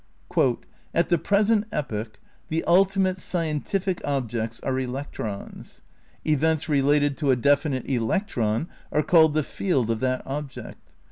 100 THE NEW IDEALISM m "At the present, epoch the ultimate seientifle objects are electrons. ... Events related to a definite electron are called the field of that object.